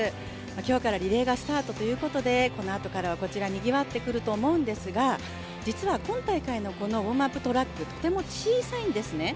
今日からリレーがスタートということで、このあとからこちらにぎわってくると思うんですが実は今大会のウオームアップトラック、とても小さいんですね。